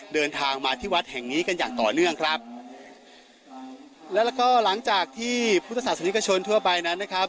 เดินทางมาที่วัดแห่งนี้กันอย่างต่อเนื่องครับแล้วก็หลังจากที่พุทธศาสนิกชนทั่วไปนั้นนะครับ